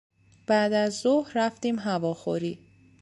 بعدازظهر رفتیم هواخوری.